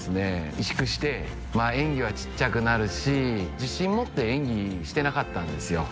萎縮して演技はちっちゃくなるし自信持って演技してなかったんですよ